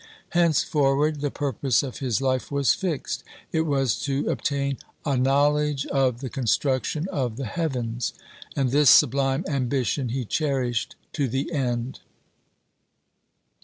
Henceforward the purpose of his life was fixed: it was to obtain "a knowledge of the construction of the heavens"; and this sublime ambition he cherished to the end.